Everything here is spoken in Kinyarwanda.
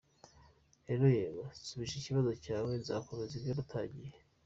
Rero, yego, nsubije ikibazo cyawe, nzakomeza ibyo natangiye.”